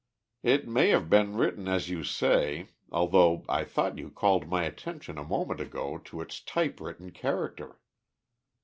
"It may have been written as you say, although I thought you called my attention a moment ago to its type written character."